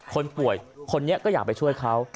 คนป่วยคนนี้ก็อยากไปช่วยเขา